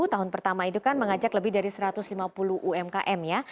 tahun pertama itu kan mengajak lebih dari satu ratus lima puluh umkm ya